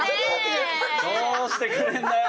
どうしてくれるんだよ。